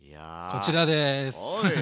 こちらです。